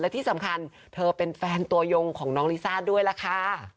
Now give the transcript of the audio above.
และที่สำคัญเธอเป็นแฟนตัวยงของน้องลิซ่าด้วยล่ะค่ะ